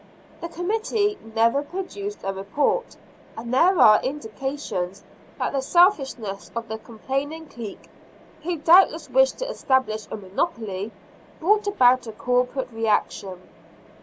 The committee never produced a report, and there are indications that the selfishness of the complaining clique, who doubtless wished to establish a monopoly, brought about a corporate reaction.